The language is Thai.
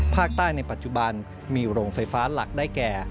ภาคใต้ในปัจจุบันมีโรงไฟฟ้าหลักได้แก่